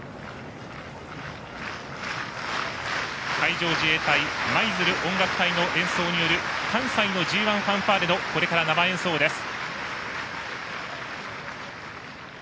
海上自衛隊舞鶴音楽隊の演奏による関西のＧＩファンファーレの生演奏です。